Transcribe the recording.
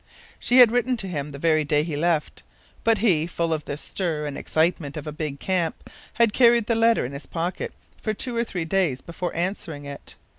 She had written to him the very day he left. But he, full of the stir and excitement of a big camp, had carried the letter in his pocket for two or three days before answering it.